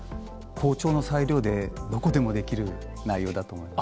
校長の裁量でどこでもできる内容だと思います。